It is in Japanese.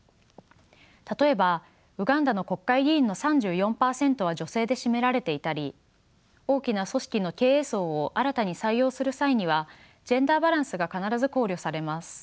例えばウガンダの国会議員の３４％は女性で占められていたり大きな組織の経営層を新たに採用する際にはジェンダーバランスが必ず考慮されます。